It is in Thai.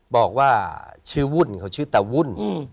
บอกว่าชื่อวุ่นเขาชื่อตาวุ่น